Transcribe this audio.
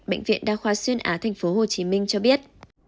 bệnh viện đa khoa xuyên á tp hcm cho biết